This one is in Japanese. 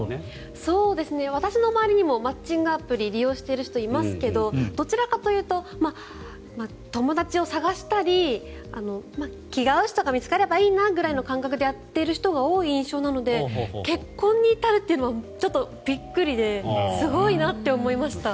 私の周りにもマッチングアプリ利用している人いますけどどちらかというと友達を探したり気が合う人が見つかればいいなぐらいの感覚でやっている人が多い印象なので結婚に至るというのはちょっとびっくりですごいなって思いました。